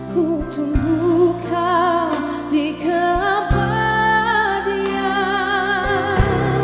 ku tunggu kau di kepadiamu